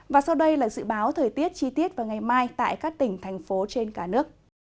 và sau đây là dự báo thời tiết chi tiết vào ngày mai tại các tỉnh thành phố trên cả nước